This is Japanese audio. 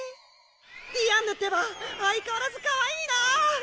ディアンヌってば相変わらずかわいいな。